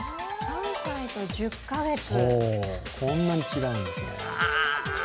３歳と１０カ月、こんなに違うんですね。